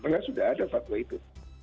karena sudah ada fatwa itu